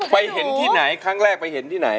ไปเห็นที่ไหนครั้งแรกไปเห็นที่ไหน